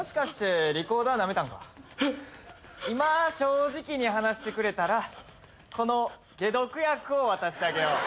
今正直に話してくれたらこの解毒薬を渡してあげよう。